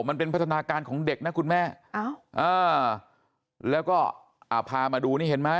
มันเป็นพัฒนาการของเด็กนะคุณแม่แล้วก็อ่าพามาดูนี่เห็นไหม